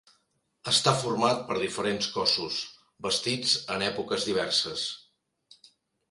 Està format per diferents cossos, bastits en èpoques diverses.